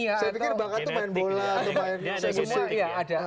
saya pikir bakat itu main bola atau